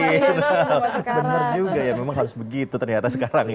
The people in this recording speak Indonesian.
benar juga ya memang harus begitu ternyata sekarang ya